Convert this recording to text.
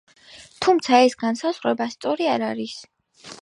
თუმცა ეს განსაზღვრება სწორი არ არის.